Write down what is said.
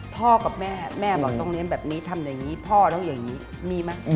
กับแม่แม่บอกต้องเลี้ยงแบบนี้ทำอย่างนี้พ่อต้องอย่างนี้มีไหม